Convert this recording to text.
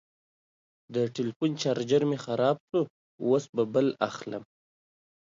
د ټلیفون چارجر مې خراب شو، اوس به بل اخلم.